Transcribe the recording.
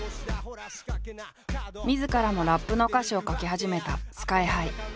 みずからもラップの歌詞を書き始めたＳＫＹ−ＨＩ。